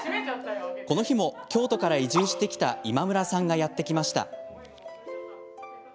この日も、京都から移住してきた今村さんがやって来ました。